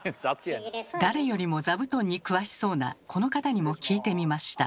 誰よりも座布団に詳しそうなこの方にも聞いてみました。